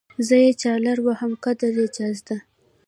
زه يې چالره وهم قدر يې چازده